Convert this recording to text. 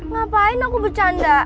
ngapain aku bercanda